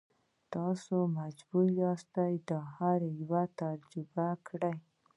تاسو مجبور یاست دا هر یو تجربه کړئ.